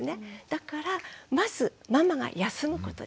だからまずママが休むことです。